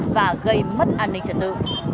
và gây mất an ninh trật tự